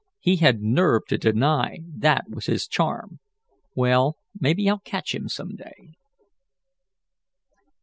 He had nerve to deny that was his charm. Well, maybe I'll catch him some day."